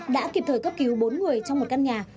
đã kịp thời cấp cứu bốn người trong một căn nhà